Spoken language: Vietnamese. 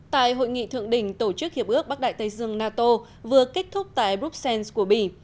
tại hội nghị thượng đỉnh tổ chức hiệp ước bắc đại tây dương nato vừa kết thúc tại bruxelles của bỉ